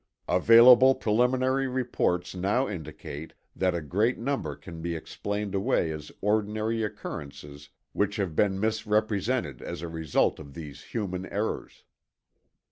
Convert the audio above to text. Available preliminary reports now indicate that a great number can be explained away as ordinary occurrences which have been misrepresented as a result of these human errors.